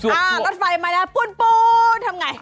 อ่ารถไฟมาแล้วปุ้นปูทำไง